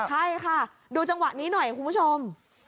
ใช่ค่ะดูจังหวะนี้หน่อยคุณผู้ชม